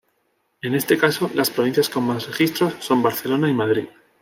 En este caso las provincias con más registros son Barcelona y Madrid.